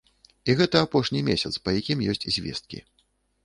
І гэта апошні месяц, па якім ёсць звесткі.